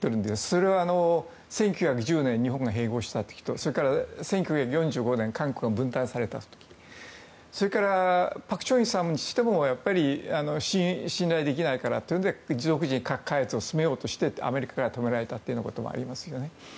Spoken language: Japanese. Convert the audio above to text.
それは１９１０年に日本が併合した時と１９４５年、韓国が分断された時それから、朴正煕さんにしても信頼できないからと言って独自に核開発をやろうとしてアメリカに止められたことがありますよね。